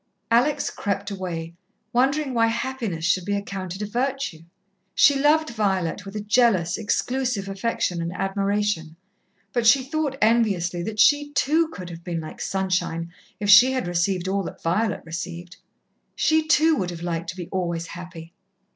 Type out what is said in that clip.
Alex crept away, wondering why happiness should be accounted a virtue. She loved Violet with a jealous, exclusive affection and admiration, but she thought enviously that she, too, could have been like sunshine if she had received all that Violet received. She, too, would have liked to be always happy.